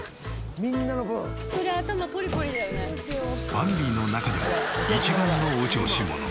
ファミリーの中でも一番のお調子者。